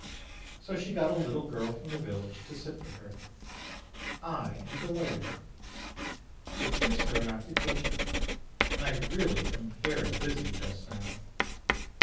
So she got a little girl from the village to sit for her. I am delighted. It gives her an occupation, and I really am very busy just now.